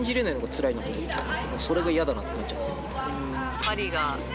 それが嫌だなって思っちゃって。